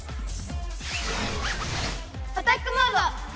アタックモード！